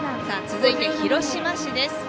続いて広島市です。